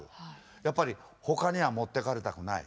やっぱり他には持っていかれたくない。